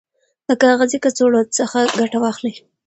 د کاغذي کڅوړو څخه ګټه واخلئ.